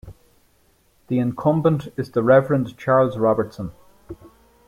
The incumbent is the Rev'd Charles Robertson.